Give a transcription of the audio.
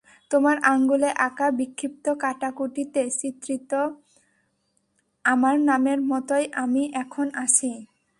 তোমার আঙুলে আঁকা, বিক্ষিপ্ত কাটাকুটিতে চিত্রিত, আমার নামের মতোই আমি এখন আছি।